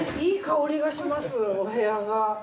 いい香りがしますお部屋が。